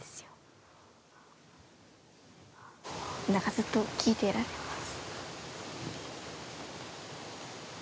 ずっと聞いていられます。